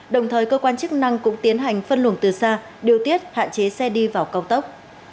đồng thời cơ quan chức năng cũng tiến hành phân luồng từ xa điều tiết hạn chế xe đi vào cao tốc